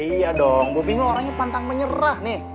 iya dong bobi ini orangnya pantang menyerah nih